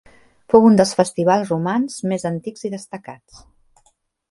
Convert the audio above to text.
Fou un dels festivals romans més antics i destacats.